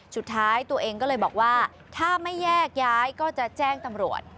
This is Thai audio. สุดท้ายตัวเองก็เลยบอกว่าถ้าไม่แยกย้ายก็จะแจ้งตำรวจ